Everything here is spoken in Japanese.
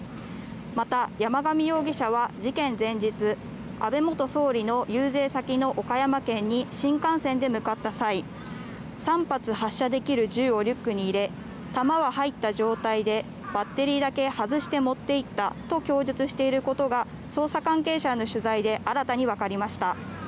また、山上容疑者は事件前日安倍元総理の遊説先の岡山県に新幹線で向かった際３発発射できる銃をリュックに入れ弾は入った状態でバッテリーだけ外して持っていったと供述していることが捜査関係者への取材で新たにわかりました。